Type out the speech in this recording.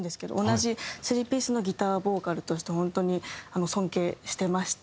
同じスリーピースのギターボーカルとして本当に尊敬してまして。